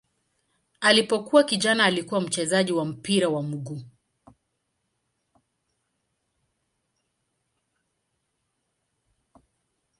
Alipokuwa kijana alikuwa mchezaji wa mpira wa miguu.